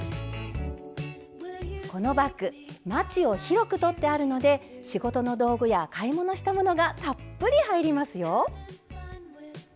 このバッグまちを広く取ってあるので仕事の道具や買い物したものがたっぷり入りますよ。